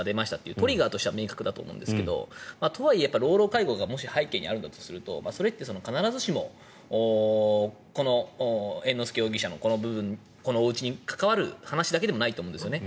トリガーとしては明確だと思うんですけど老老介護がもし背後にあるとするとそれって必ずしも猿之助容疑者のおうちに関わる話だけじゃないと思うんですよね。